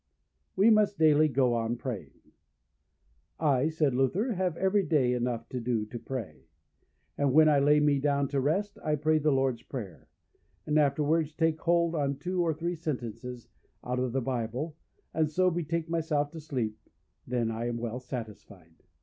That we must daily go on in Praying. I, said Luther, have every day enough to do to pray. And when I lay me down to rest, I pray the Lord's Prayer, and afterwards take hold on two or three sentences out of the Bible, and so betake myself to sleep, then I am well satisfied.